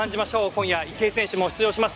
今夜池江選手も出場します。